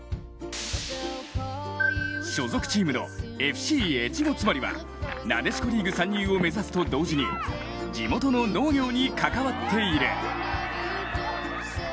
所属チームのＦＣ越後妻有はなでしこリーグ参入を目指すと同時に地元の農業に関わっている。